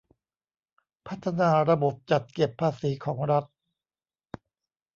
พัฒนาระบบจัดเก็บภาษีของรัฐ